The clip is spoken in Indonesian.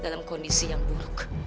dalam kondisi yang buruk